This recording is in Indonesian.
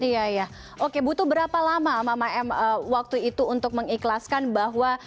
iya iya oke butuh berapa lama mama m waktu itu untuk mengikhlaskan bahwa